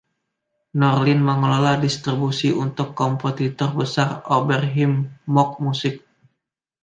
Norlin mengelola distribusi untuk kompetitor besar Oberheim, Moog Music.